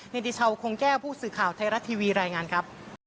นิติชาวคงแก้วผู้สื่อข่าวไทยรัฐทีวีรายงานครับ